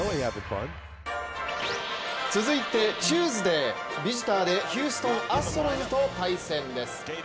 続いて、チューズデー、ビジターでヒューストン・アストロズと対戦です。